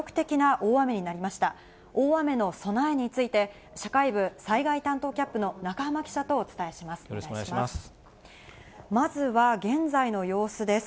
大雨の備えについて、社会部災害担当キャップの中濱記者とお伝えします。